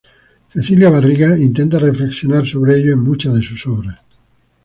Cecilia Barriga intenta reflexionar sobre ello en muchas de sus obras.